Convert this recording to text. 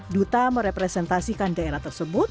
duta merepresentasikan daerah tersebut